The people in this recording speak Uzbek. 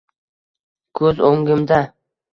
Koʻz oʻngimda